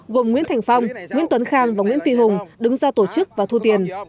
gồm nguyễn thành phong nguyễn tuấn khang và nguyễn phi hùng đứng ra tổ chức và thu tiền